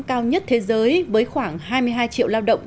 cao nhất thế giới với khoảng hai mươi hai triệu lao động